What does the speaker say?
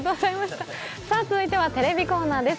続いてはテレビコーナーです。